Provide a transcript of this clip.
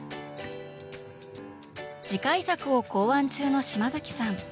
次回作を考案中の嶋さん。